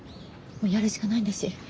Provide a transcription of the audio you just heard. もうやるしかないんだし。